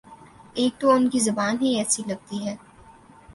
ایک تو ان کی زبان ہی ایسی لگتی ہے۔